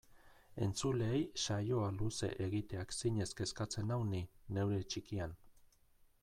Entzuleei saioa luze egiteak zinez kezkatzen nau ni, neure txikian.